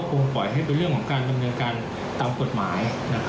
ก็ปรุงป่อยให้เป็นเรื่องของการนำเรียนคามกฎหมาย